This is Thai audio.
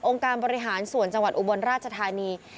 การบริหารส่วนจังหวัดอุบลราชธานี